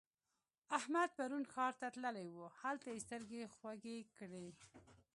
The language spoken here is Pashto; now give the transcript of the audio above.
احمد پرون ښار ته تللی وو؛ هلته يې سترګې خوږې کړې.